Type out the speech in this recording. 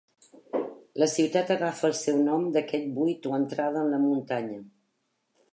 La ciutat agafa el seu nom d'aquest buit o entrada en la muntanya.